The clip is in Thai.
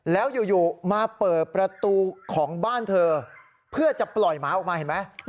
แล้วอยู่มาเปิดประตูของบ้านเธอเพื่อจะปล่อยหมาออกมาเห็นไหม